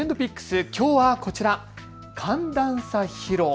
きょうはこちら、寒暖差疲労。